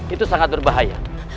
itu sangat berbahaya